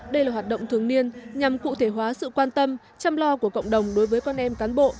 đây là hoạt động thường niên nhằm cụ thể hóa sự quan tâm chăm lo của cộng đồng đối với con em cán bộ